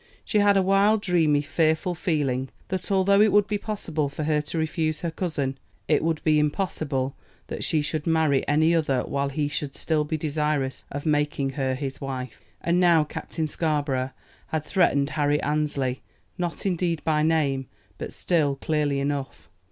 She had a wild, dreamy, fearful feeling that, although it would be possible to her to refuse her cousin, it would be impossible that she should marry any other while he should still be desirous of making her his wife. And now Captain Scarborough had threatened Harry Annesley, not indeed by name, but still clearly enough.